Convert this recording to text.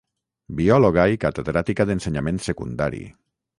Biòloga i Catedràtica d'Ensenyament Secundari.